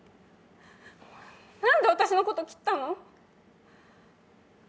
何で私のこと切ったの！